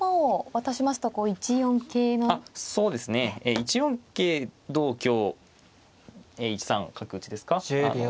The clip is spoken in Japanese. １四桂同香１三角打ですか。